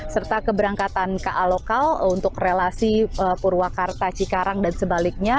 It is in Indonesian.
serta keberangkatan ka lokal untuk relasi purwakarta cikarang dan sebaliknya